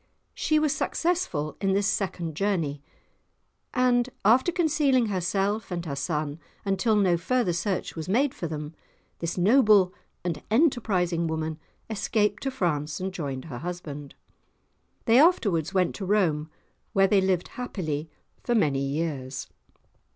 She was successful in this second journey, and, after concealing herself and her son, until no further search was made for them, this noble and enterprising woman escaped to France and joined her husband. They afterwards went to Rome, where they lived happily for many years.